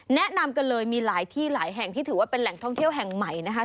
แนะนำกันเลยมีหลายที่หลายแห่งที่ถือว่าเป็นแหล่งท่องเที่ยวแห่งใหม่นะคะ